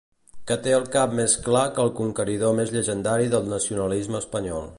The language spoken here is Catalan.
Que té el cap més clar que el conqueridor més llegendari del nacionalisme espanyol.